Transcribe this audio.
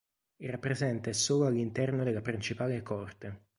Era presente solo all'interno della principale coorte.